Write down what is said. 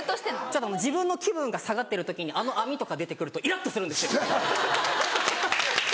自分の気分が下がってる時にあの網とか出てくるとイラっとするんですよ。